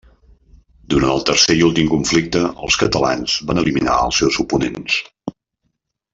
Durant el tercer i últim conflicte, els catalans van eliminar als seus oponents.